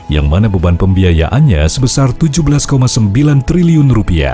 yang mana beban pembiayaannya sebesar rp tujuh belas sembilan triliun